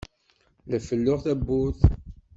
La felluɣ tawwurt.